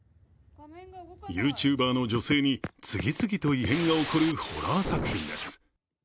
ＹｏｕＴｕｂｅｒの女性に次々と異変が起こるホラー作品です。